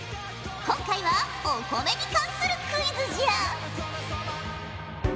今回はお米に関するクイズじゃ！